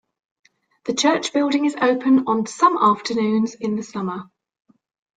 The church building is open on some afternoons in the summer.